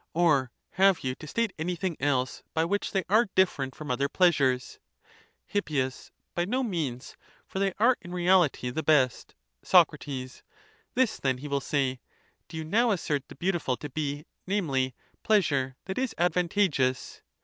Or have you to state any thing else, by which they are different from other pleasures ? Hip. By no means: for they are in reality the best. Soe. This then, he will say, do you now assert the beauti ful to be, namely, pleasure that is advantageous?